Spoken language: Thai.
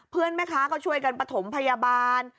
เพื่อนแม่ค้าก็ช่วยกันปฐมพยาบาล